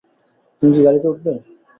তুমি কি গাড়িতে উঠবে?